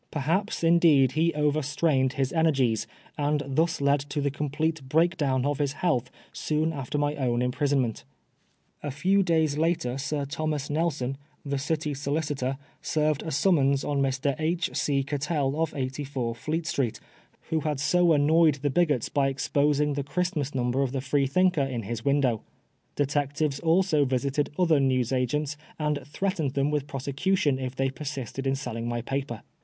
Perhaps, indeed he overstrained his energies, and thus led to the complete breakdown of his health soon after my my imprisonment. A few days h^er Sir Thomas Nelson, the City 58 PBI80NEE FOB BLASPHEMY. Solicitor, served a summons on Mr. H. C. Cattell of 84 Fleet Street, who had so annoyed the bigots by exposing the Christmas Number of the Freethinker in his window. Detectives also visited other newsagents and threatened them with prosecution if they persisted in selling my paper.